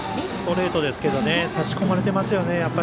ストレートですけど差し込まれていますね。